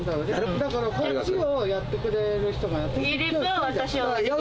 だから、こっちをやってくれる人がいれば、私は。